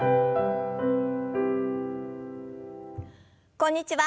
こんにちは。